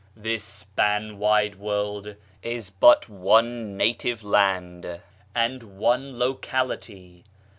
This span wide world is but one native land and one locality.